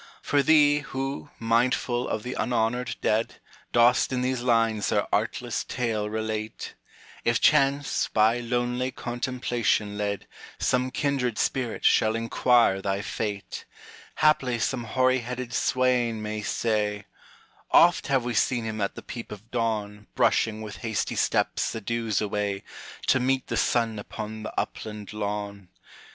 For thee, who, mindful of th' unhonored dead, Dost in these lines their artless tale relate, If chance, by lonely contemplation led, Some kindred spirit shall inquire thy fate, Haply some hoary headed swain may say, "Oft have we seen him at the peep of dawn Brushing with hasty steps the dews away, To meet the sun upon the upland lawn.